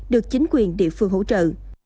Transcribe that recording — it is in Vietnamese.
được chính quyền địa phương hỗ trợ